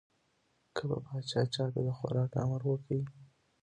که به پاچا چا ته د خوراک امر وکړ.